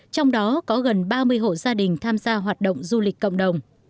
trong đó có gần ba mươi hộ gia đình tham gia hoạt động du lịch cộng đồng